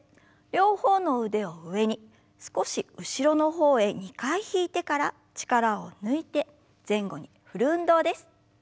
両方の腕を上に少し後ろの方へ２回引いてから力を抜いて前後に振る運動です。